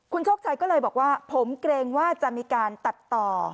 คุณโชคชัยก็เลยบอกว่าผมเกรงว่าจะมีการตัดต่อ